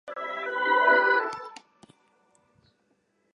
强针网虫为孔盘虫科针网虫属的动物。